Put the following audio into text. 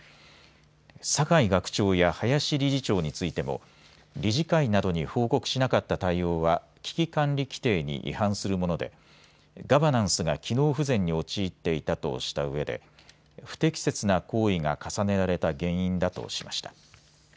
酒井学長や林理事長についても理事会などに報告しなかった対応は危機管理規程に違反するものでガバナンスが機能不全に陥っていたとしたうえで不適切な行為が重ねられた原因だとしました。